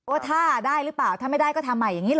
ถ้าได้หรือเปล่าถ้าไม่ได้ก็ทำใหม่อย่างนี้เห